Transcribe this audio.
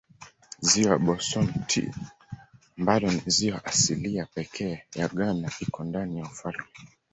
Ziwa Bosumtwi ambalo ni ziwa asilia pekee ya Ghana liko ndani ya ufalme.